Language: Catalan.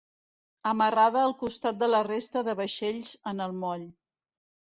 Amarrada al costat de la resta de vaixells en el moll.